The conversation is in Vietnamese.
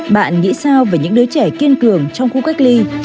bạn nghĩ sao về những đứa trẻ kiên cường trong khu cách ly